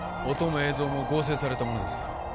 音も映像も合成されたものです